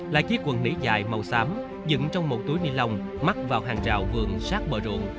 là chiếc quần nỉ dại màu xám dựng trong một túi nilon mắc vào hàng rào vườn sát bờ ruộng